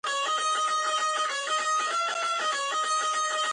ნალექების ყველაზე დიდი რაოდენობა მოდის ნოემბრიდან მარტს შორის.